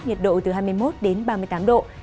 nhiệt độ từ hai mươi một đến ba mươi tám độ